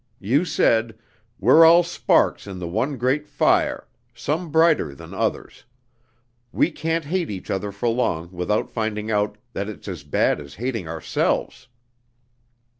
You said, 'We're all sparks of the one Great Fire, some brighter than others. We can't hate each other for long without finding out that it's as bad as hating ourselves.'